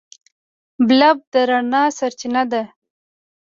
بلب د رڼا سرچینه ده.